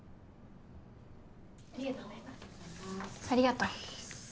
ありがとう。